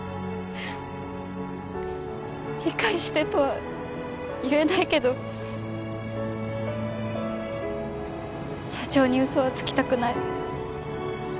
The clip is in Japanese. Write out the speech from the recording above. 理解してとは言えないけど社長に嘘はつきたくない。